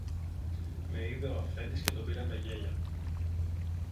Με είδε ο αφέντης και τον πήραν τα γέλια.